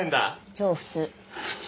超普通。